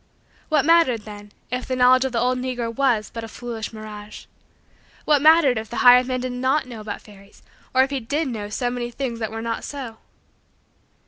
What mattered, then, if the knowledge of the old negro was but a foolish mirage? What mattered if the hired man did not know about fairies or if he did know so many things that were not so?